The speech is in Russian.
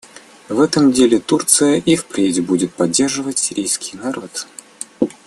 В этом деле Турция и впредь будет поддерживать сирийский народ.